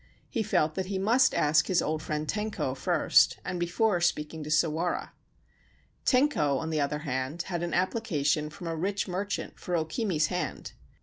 He felt that he must ask his old friend Tenko first, and before speaking to Sawara. Tenko, on the other hand, had an application from a rich merchant for O Kimi's hand.